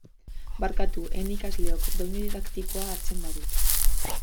Barkatu, ene ikasleok, doinu didaktikoa hartzen badut.